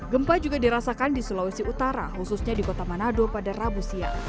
gempa juga dirasakan di sulawesi utara khususnya di kota manado pada rabu siang